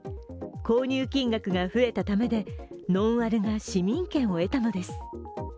購入金額が増えたためでノンアルが市民権を得たのです。